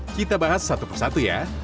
kita bahas satu persatu ya